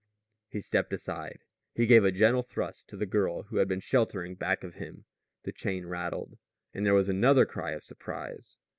He stepped aside. He gave a gentle thrust to the girl who had been sheltering back of him. The chain rattled. And there was another cry of surprise.